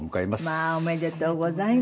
まあおめでとうございます。